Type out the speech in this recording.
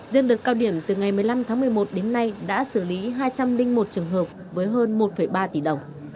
riêng đợt cao điểm từ ngày một mươi năm tháng một mươi một đến nay đã xử lý hai trăm linh một trường hợp với hơn một ba tỷ đồng